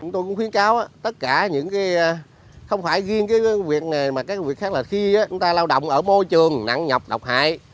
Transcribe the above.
tôi cũng khuyến cáo tất cả những cái không phải riêng cái việc này mà cái việc khác là khi chúng ta lao động ở môi trường nặng nhọc độc hại